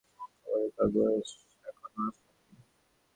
নিসার আলি বললেন, আজকের খবরের কাগজ এখনো আসে নি।